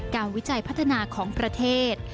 วิจัยพัฒนาของประเทศ